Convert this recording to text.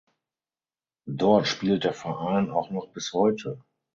Dort spielt der Verein auch noch bis heute.